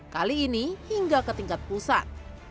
kali ini hingga ke tingkat pusat